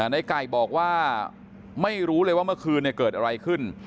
ในไก่บอกว่าไม่รู้เลยว่าเมื่อคืนเกิดอะไรขึ้น